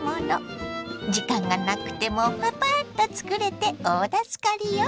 時間がなくてもパパッとつくれて大助かりよ。